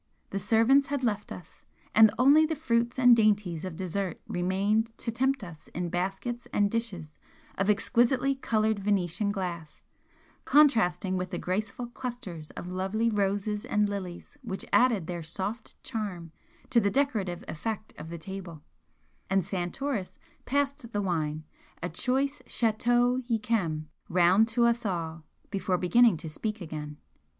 The servants had left us, and only the fruits and dainties of dessert remained to tempt us in baskets and dishes of exquisitely coloured Venetian glass, contrasting with the graceful clusters of lovely roses and lilies which added their soft charm to the decorative effect of the table, and Santoris passed the wine, a choice Chateau Yquem, round to us all before beginning to speak again.